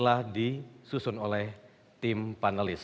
data di susun oleh tim panelist